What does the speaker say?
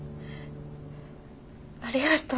ありがとう。